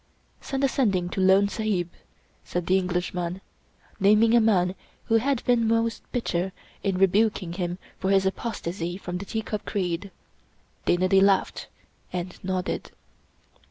" Send a Sending to Lone Sahib," said the Englishman, 20 Rudyard Kipling naming a man who had been most bitter in rebuking him for his apostasy from the Teacup Creed. Dana Da laughed and nodded.